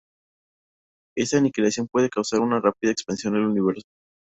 Esta aniquilación puede causar una rápida expansión del universo.